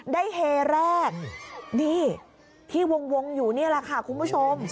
เฮแรกนี่ที่วงอยู่นี่แหละค่ะคุณผู้ชม